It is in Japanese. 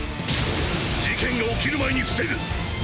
事件が起きる前に防ぐ。